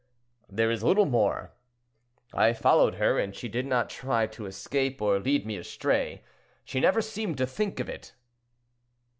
"There is little more. I followed her, and she did not try to escape or lead me astray; she never seemed to think of it."